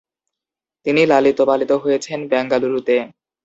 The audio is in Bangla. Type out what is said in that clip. তিনি লালিত-পালিত হয়েছেন বেঙ্গালুরুতে।